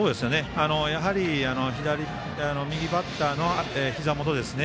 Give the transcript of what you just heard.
やはり右バッターのひざ元ですね。